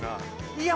いや